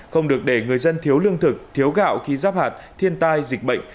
không được để người dân thiếu lương thực thiếu gạo khi giáp hạt thiên tai dịch bệnh